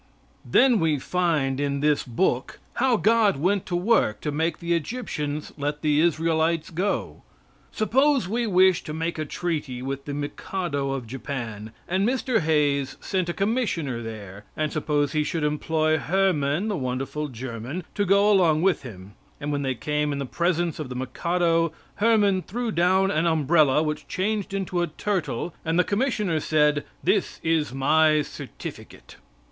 Then we find in this book how God went to work to make the Egyptians let the Israelites go. Suppose we wish to make a treaty with the mikado of Japan, and Mr. Hayes sent a commissioner there; and suppose he should employ Hermann, the wonderful German, to go along with him; and when they came in the presence of the mikado Herman threw down an umbrella, which changed into a turtle, and the commissioner said: "This is my certificate."